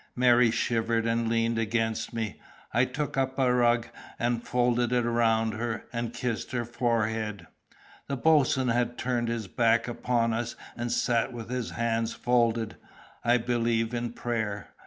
Mary shivered and leaned against me. I took up a rug and folded it round her, and kissed her forehead. The boatswain had turned his back upon us, and sat with his hands folded, I believe in prayer.